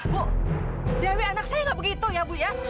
bu dewi anak saya nggak begitu ya bu ya